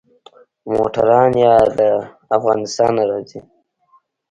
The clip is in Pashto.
موټران يا له افغانستانه راځي.